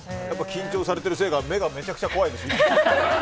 緊張されてるせいか目がめちゃくちゃ怖いです。